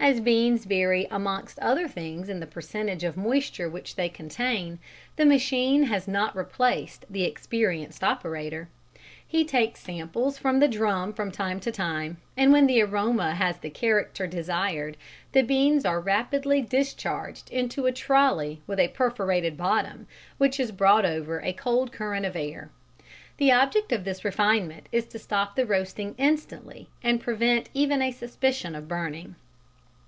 As beans vary amongst other things in the percentage of moisture which they contain, the machine has not replaced the experienced operator. He takes samples from the drum from time to time, and when the aroma has the character desired, the beans are rapidly discharged into a trolley with a perforated bottom, which is brought over a cold current of air. The object of this refinement is to stop the roasting instantly and prevent even a suspicion of burning.